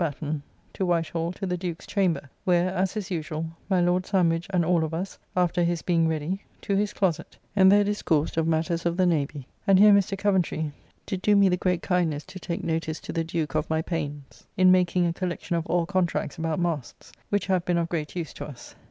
Batten to White Hall to the Duke's chamber, where, as is usual, my Lord Sandwich and all of us, after his being ready, to his closett, and there discoursed of matters of the Navy, and here Mr. Coventry did do me the great kindness to take notice to the Duke of my pains in making a collection of all contracts about masts, which have been of great use to us.